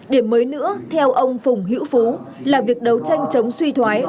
điểm mới nữa theo ông phùng hữu phú là việc đấu tranh chống suy thoái